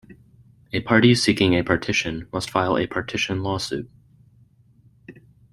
A party seeking a partition must file a partition lawsuit.